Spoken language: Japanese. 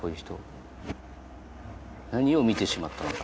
何を見てしまったのか？